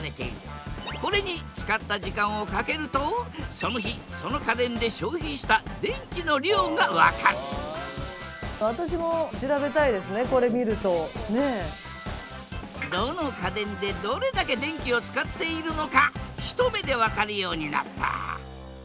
これに使った時間を掛けるとその日その家電で消費した電気の量が分かるどの家電でどれだけ電気を使っているのか一目で分かるようになった。